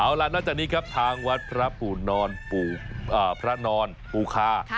เอาล่ะนอกจากนี้ครับทางวัดพระนอนปูคา